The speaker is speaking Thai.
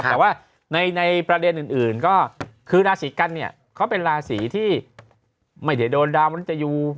แต่ว่าในประเด็นอื่นราศีกรณ์นี้เขาเป็นราศีที่ไม่ได้โดนดาวนัตยัยู